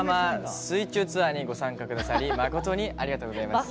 水中ツアーにご参加くださり誠にありがとうございます。